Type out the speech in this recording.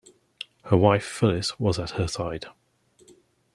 Her wife, Phyllis, was at her side.